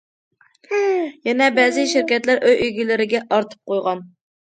يەنە بەزى شىركەتلەر ئۆي ئىگىلىرىگە ئارتىپ قويغان.